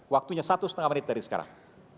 waktunya satu setengah menit dari sekarang